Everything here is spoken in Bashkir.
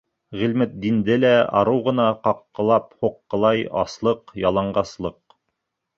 Ғилметдинде лә арыу ғына ҡаҡҡылап-һуҡҡылай аслыҡ, яланғаслыҡ.